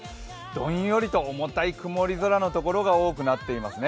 どんよりと重たい曇り空のところが多くなっていますね。